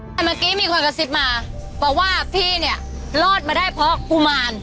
แต่เมื่อกี้มีคนกระซิบมาบอกว่าพี่เนี่ยรอดมาได้เพราะกุมาร